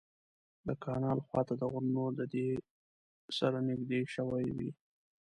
د کانال خوا ته د غرونو ډډې سره نږدې شوې وې.